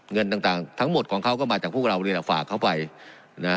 เงินต่างต่างทั้งหมดของเขาก็มาจากพวกเรานี่แหละฝากเขาไปนะ